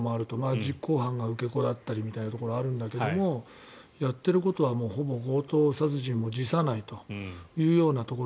実行犯が受け子だったりみたいなところがあるんだけどやっていることはほぼ強盗殺人も辞さないというところ。